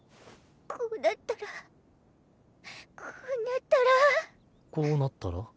こうなったらこうなったら。